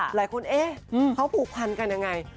หลายคนเอ๊ะเขาผูกพันกันยังไง